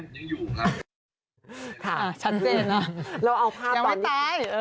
ผมยังอยู่ครับค่ะชั้นเต็มเราเอาภาพตอนนี้ยังไม่ตายเออ